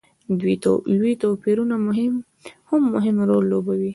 لوی توپیرونه هم مهم رول لوبوي.